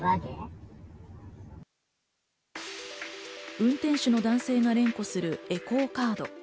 運転手の男性が連呼するエコーカード。